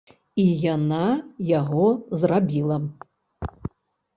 І яна яго зрабіла.